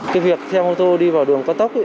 cái việc theo ô tô đi vào đường cất tàu